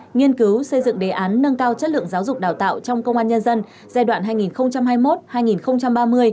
nghiên cứu xây dựng đề án nâng cao chất lượng giáo dục đào tạo trong công an nhân dân giai đoạn hai nghìn hai mươi một hai nghìn ba mươi